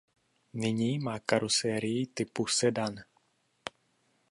Nyní má karoserii typu sedan.